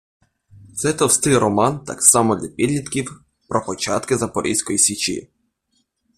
Це товстий роман, так само для підлітків, про початки Запорізької січі.